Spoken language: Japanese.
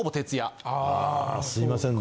すいません。